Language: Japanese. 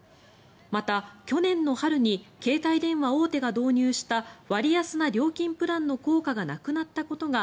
また、去年の春に携帯電話大手が導入した割安な料金プランの効果がなくなったことが